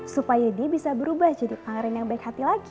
supaya dia bisa berubah jadi pangeran yang baik hati lagi